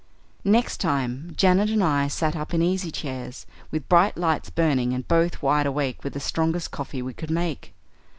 "Next time Janet and I sat up in easy chairs, with bright lights burning, and both wide awake with the strongest coffee we could make.